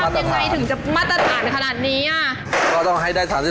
จะทำอย่างไรถึงจะมัดตะหน่านขนาดนี้